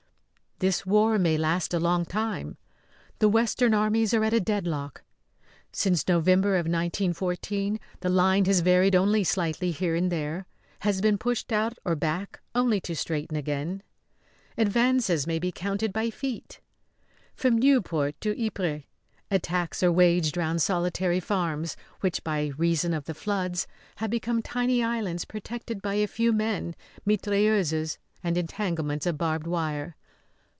This war may last a long time; the western armies are at a deadlock. Since November of 1914 the line has varied only slightly here and there; has been pushed out or back only to straighten again. Advances may be counted by feet. From Nieuport to Ypres attacks are waged round solitary farms which, by reason of the floods, have become tiny islands protected by a few men, mitrailleuses, and entanglements of barbed wire.